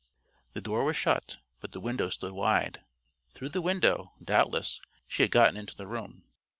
The door was shut, but the window stood wide. Through the window, doubtless, she had gotten into the room.